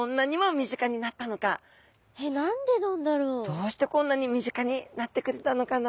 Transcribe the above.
どうしてこんなに身近になってくれたのかな。